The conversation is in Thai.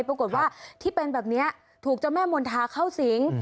ปรากฏว่าที่เป็นแบบนี้ถูกเจ้าแม่มณฑาเข้าสิง